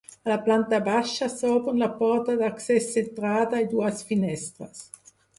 A la planta baixa s'obren la porta d'accés centrada i dues finestres.